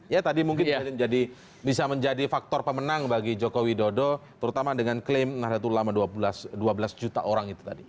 ya tadi mungkin bisa menjadi faktor pemenang bagi jokowi dodo terutama dengan klaim nahratul ulama dua belas juta orang itu tadi